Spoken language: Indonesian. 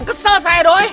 kesel saya doi